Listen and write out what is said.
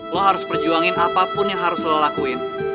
lo harus perjuangin apapun yang harus lo lakuin